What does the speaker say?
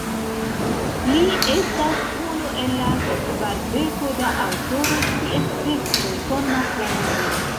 Li estas unu el la kvardeko da aŭtoroj, kies tekstoj formas la libron.